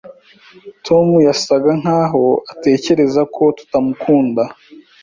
Tom yasaga nkaho atekereza ko tutamukunda.